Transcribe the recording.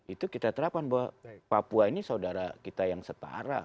itu kita terapkan bahwa papua ini saudara kita yang setara